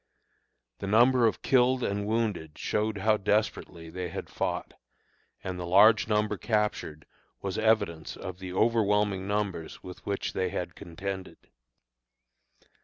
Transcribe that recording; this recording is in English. The number of killed and wounded showed how desperately they had fought, and the large number captured was evidence of the overwhelming numbers with which they had contended.